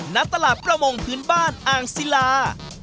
ณตลาดประมงพื้นบ้านอ่างศิลา